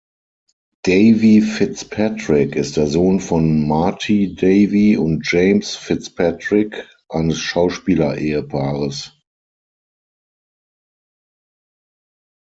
Davey-Fitzpatrick ist der Sohn von Marty Davey und James Fitzpatrick, eines Schauspielerehepaares.